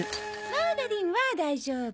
マーガリンは大丈夫。